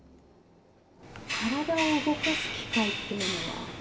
体を動かす機会というのは？